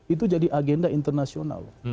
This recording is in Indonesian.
itu jadi agenda internasional